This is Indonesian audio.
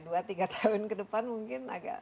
dua tiga tahun ke depan mungkin agak